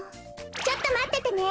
ちょっとまっててね。